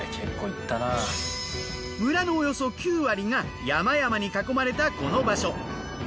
村のおよそ９割が山々に囲まれたこの場所。